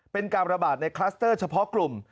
เป็นการระบาดในคลัสเตอร์เฉพาะกลุ่ม